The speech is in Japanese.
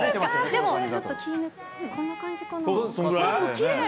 でも、ちょっと、こんな感じそのぐらい？